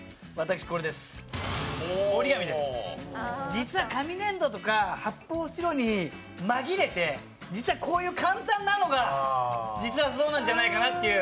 実は紙ねんどとか発泡スチロールに紛れて実はこういう簡単なのがそうなんじゃないのかなっていう。